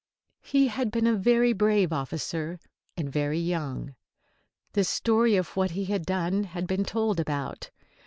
He had been a very brave officer, and very young. The story of what he had done had been told about.